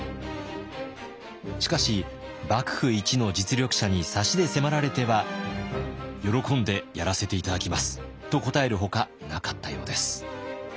しかし幕府一の実力者にサシで迫られては「喜んでやらせて頂きます」と答えるほかなかったようです。